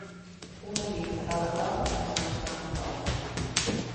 Una línia d'ala groga es mostra en vol.